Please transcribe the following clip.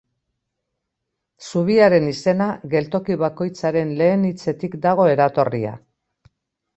Zubiaren izena geltoki bakoitzaren lehen hitzetik dago eratorria.